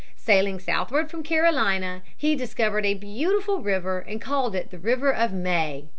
Sailing southward from Carolina, he discovered a beautiful river and called it the River of May.